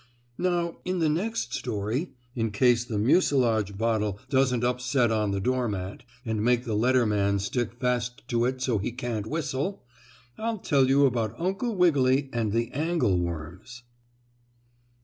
Now in the next story, in case the mucilage bottle doesn't upset on the doormat and make the letterman stick fast to it so he can't whistle, I'll tell you about Uncle Wiggily and the angle worms.